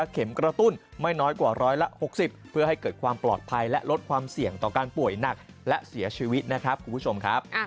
เข็มกระตุ้นไม่น้อยกว่า๑๖๐เพื่อให้เกิดความปลอดภัยและลดความเสี่ยงต่อการป่วยหนักและเสียชีวิตนะครับคุณผู้ชมครับ